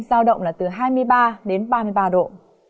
giao động là từ hai mươi ba đến ba mươi ba độ